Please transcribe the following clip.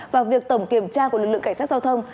và việc tổng kiểm tra của lực lượng cảnh sát giao thông